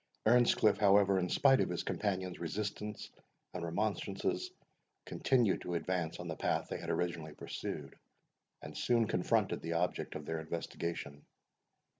] Earnscliff, however, in spite of his companion's resistance and remonstrances, continued to advance on the path they had originally pursued, and soon confronted the object of their investigation.